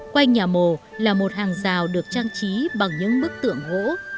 quanh nhà mồ là một hàng rào được trang trí bằng những bức tượng gỗ